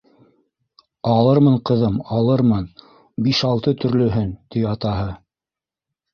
— Алырмын, ҡыҙым, алырмын, биш-алты төрлөһөн, — ти атаһы.